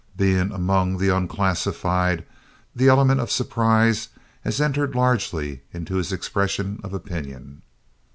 Being among the unclassified, the element of surprise has entered largely into his expression of opinion.